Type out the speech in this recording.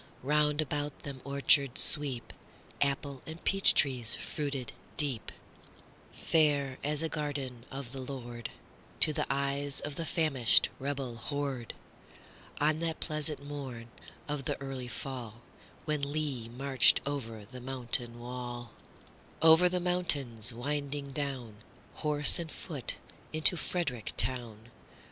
Round about them orchards sweep, Apple and peach tree fruited deep, Fair as a garden of the LordTo the eyes of the famished rebel horde, On that pleasant morn of the early fallWhen Lee marched over the mountain wall,—Over the mountains winding down, Horse and foot, into Frederick town.